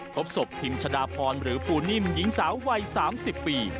ทบศพพิมพ์ชะดาพรหรือภูนิ่มหญิงสาววัยสามสิบปี